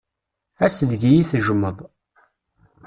Ass deg iyi-tejjmeḍ.